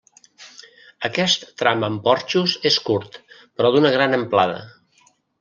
Aquest tram amb porxos és curt però d'una gran amplada.